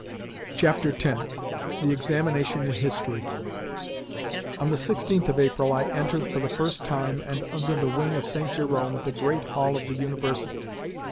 X. THE EXAMINATION IN HISTORY ON the 16th of April I entered, for the first time, and under the wing of St. Jerome, the great hall of the University.